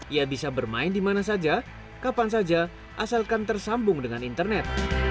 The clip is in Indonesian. ia bisa bermain di mana saja kapan saja asalkan tersambung dengan internet